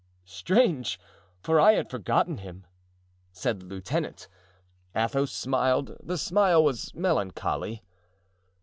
"Strange! for I had forgotten him," said the lieutenant. Athos smiled; the smile was melancholy.